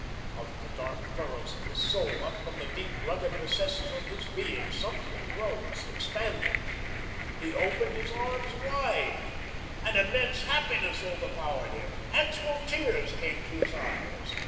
Out of the dark furrows of his soul, up from the deep rugged recesses of his being, something rose, expanding. He opened his arms wide. An immense happiness overpowered him. Actual tears came to his eyes.